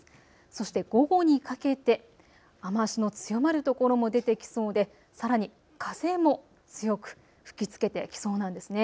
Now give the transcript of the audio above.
そして午後にかけて雨足の強まる所も出てきそうでさらに風も強く吹きつけてきそうなんですね。